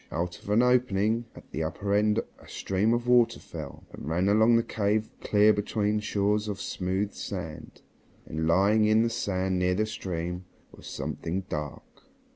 Out of an opening at the upper end a stream of water fell, and ran along the cave clear between shores of smooth sand. And, lying on the sand near the stream, was something dark.